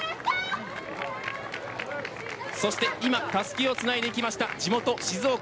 そして今、たすきをつないでいきました、地元静岡。